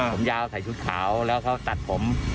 ผมยาวใส่ชุดขาวแล้วเขาตัดผม